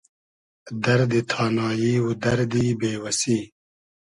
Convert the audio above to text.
دئردی تانایی و دئردی بې وئسی